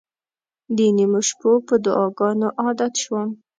د نیمو شپو په دعاګانو عادت شوم.